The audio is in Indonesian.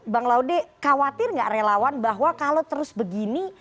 bang laude khawatir nggak relawan bahwa kalau terus begini